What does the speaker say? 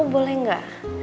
aku boleh nggak